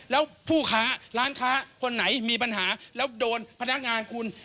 แล้วผู้ค้าร้านค้าคนไหนมีปัญหาแล้วโดนพนักงานคุณ